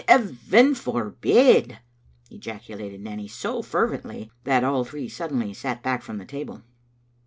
"Heaven forbid!" ejaculated Nanny, so fervently that all three suddenly sat back from the table.